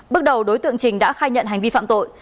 bước đầu đối tượng trình đã khai nhận hành vi phạm tội